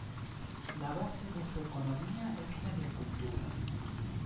La base de su economía es la agricultura.